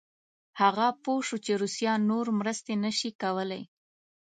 هغه پوه شو چې روسیه نور مرستې نه شي کولای.